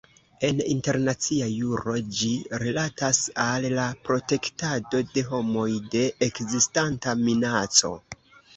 En internacia juro ĝi rilatas al la "protektado de homoj de ekzistanta minaco".